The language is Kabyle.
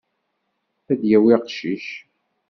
Ad d-yawi aqcic.